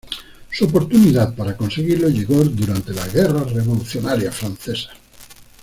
Su oportunidad para conseguirlo llegó durante las Guerras Revolucionarias Francesas.